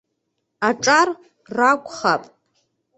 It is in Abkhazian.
Аҿар ракәхап.